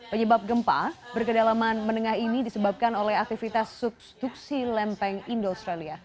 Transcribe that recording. penyebab gempa berkedalaman menengah ini disebabkan oleh aktivitas substruksi lempeng indo australia